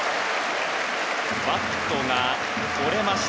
バットが折れました。